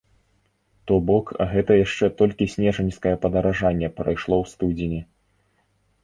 То бок гэта яшчэ толькі снежаньскае падаражанне прайшло ў студзені.